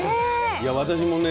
私もね